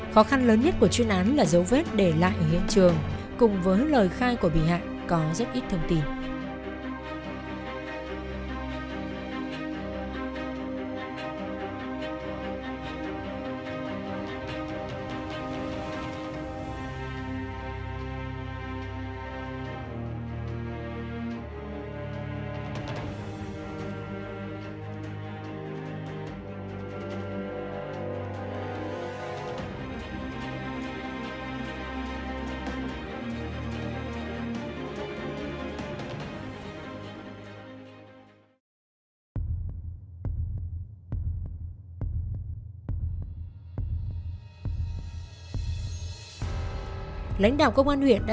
khó khăn lớn nhất của chuyên án là giấu vết để lại ở hiện trường cùng với lời khai của bị hại có rất ít thông tin